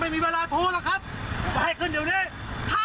ไม่มีเวลาโทรหรอกครับจะให้ขึ้นเดี๋ยวนี้